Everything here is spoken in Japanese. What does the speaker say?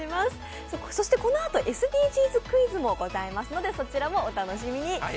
そしてこのあと、ＳＤＧｓクイズもありますので、そちらもお楽しみに。